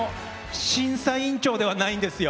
審査委員長ではないんですよ。